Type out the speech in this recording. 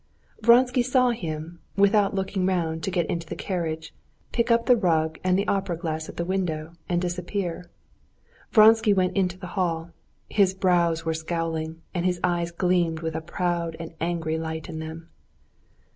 Vronsky saw him without looking round get into the carriage, pick up the rug and the opera glass at the window and disappear. Vronsky went into the hall. His brows were scowling, and his eyes gleamed with a proud and angry light in them.